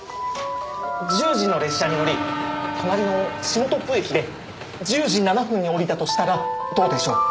１０時の列車に乗り隣の下徳富駅で１０時７分に降りたとしたらどうでしょう？